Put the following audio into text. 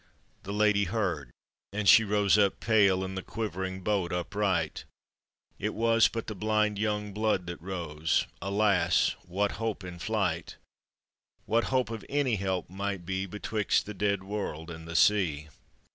The lady heard, and she rose up pale, In the quivering boat upright; It was but the blind young; blood that rose, Alas! what hope in flight, What hope of any help might be Betwixt the dead world and the sea?